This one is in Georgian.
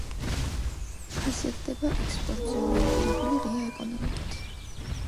ხასიათდება ექსპორტზე ორიენტირებული ღია ეკონომიკით.